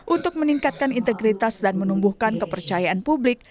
untuk meningkatkan integritas dan menumbuhkan kepercayaan publik